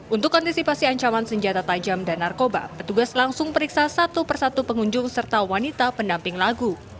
untuk kontisipasi ancaman senjata tajam dan narkoba petugas langsung periksa satu persatu pengunjung serta wanita pendamping lagu